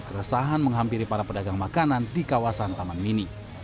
keresahan menghampiri para pedagang makanan di kawasan taman mini